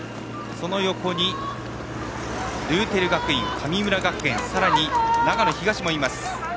横に、ルーテル学院神村学園、さらに長野東もいます。